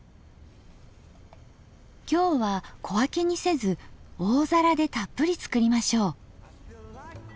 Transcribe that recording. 今日は小分けにせず大皿でたっぷり作りましょう。